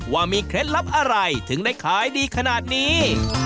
ว่ามีเคล็ดลับอะไรถึงได้ขายดีขนาดนี้